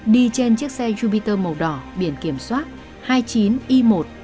đi trên chiếc xe jupiter màu đỏ biển kiểm soát hai mươi chín i một mươi năm nghìn tám trăm tám mươi một